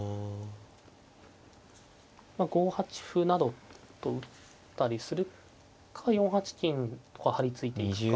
まあ５八歩などと打ったりするか４八金とか張り付いていくか。